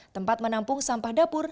tempat menampung sampah dapur